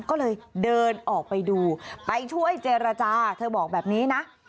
ก็เลยเดินออกไปดูไปช่วยเจรจาเธอบอกแบบนี้นะ